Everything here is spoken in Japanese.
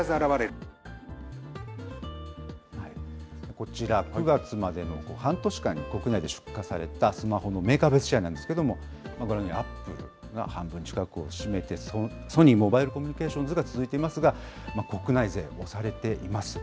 こちら、９月までの半年間に国内で出荷されたスマホのメーカー別シェアなんですけれども、ご覧のようにアップルが半分近く占めて、ソニーモバイルコミュニケーションズが続いていますが、国内勢、押されています。